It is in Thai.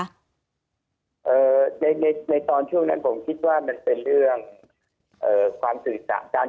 ในตอนช่วงนั้นผมคิดว่ามันเป็นเรื่องความสื่อสารกัน